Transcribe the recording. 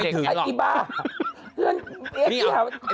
มันยังไม่ถึงหรอก